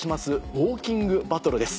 ウオーキングバトルです。